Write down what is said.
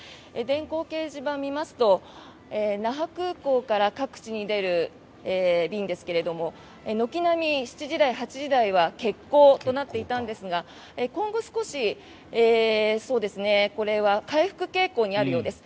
電光掲示板を見ますと那覇空港から各地に出る便ですが軒並み７時台、８時台は欠航となっていたんですが今後、少し回復傾向にあるようです。